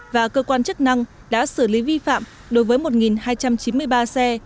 và cơ quan chức năng đã xử lý vi phạm đối với một hai trăm chín mươi ba xe